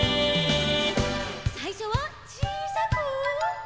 さいしょはちいさく。